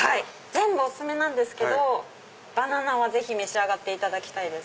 全部お薦めなんですけどバナナはぜひ召し上がっていただきたいです。